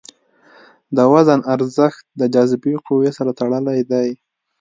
د وزن ارزښت د جاذبې قوې سره تړلی دی.